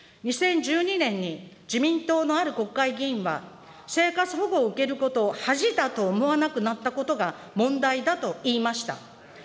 ２０１２年に自民党のある国会議員は、生活保護を受けることを恥だと思わなくなったことが問題だと言いました。